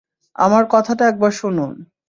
আমার কথাটা একবার শুনুন।